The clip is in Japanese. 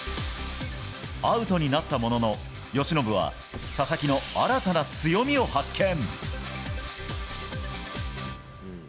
アウトになったものの、由伸は佐々木の新たな強みを発見。